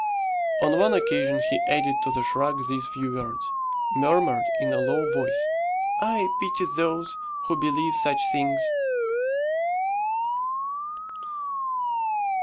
On one occasion he added to the shrug these few words, murmured in a low voice, "I pity those who believe such things."